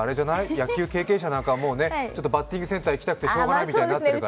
野球経験者なんかはバッティングセンターに行きたくてしようがないとなっているから。